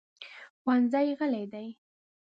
ښوونځی غلی دی.